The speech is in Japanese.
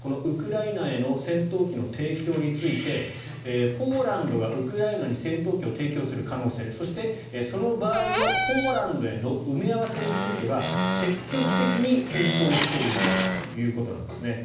ウクライナへの戦闘機の提供についてポーランドがウクライナに戦闘機を提供する可能性そして、その場合のポーランドへの埋め合わせについては積極的に検討しているということです。